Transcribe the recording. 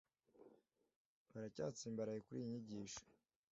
Baracyatsimbaraye kuri iyi nyigisho.